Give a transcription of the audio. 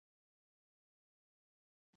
چپه پښه مې په ورانه کښې ماته وه.